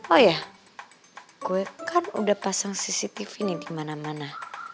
oh ya gue kan udah pasang cctv nih di mana mana